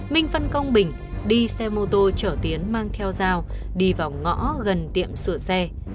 minh phân công bình đi xe mô tô chở tiến mang theo dao đi vào ngõ gần tiệm sửa xe